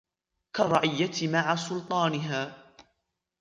كَالرَّعِيَّةِ مَعَ سُلْطَانِهَا